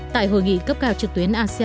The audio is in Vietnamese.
tại hội nghị cấp cao trực tuyến